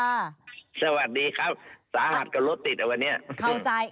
สวัสดีครับสาหัสกับรถติดอะวันนี้